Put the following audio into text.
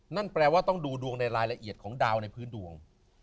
นั่นแปลว่าต้องดูดวงในรายละเอียดของดาวในพื้นดวง